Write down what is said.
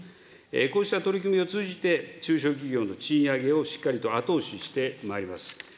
こうした取り組みを通じて、中小企業の賃上げをしっかりと後押ししてまいります。